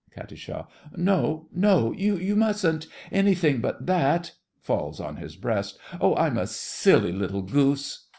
KAT. No, no—you mustn't! Anything but that! (Falls on his breast.) Oh, I'm a silly little goose!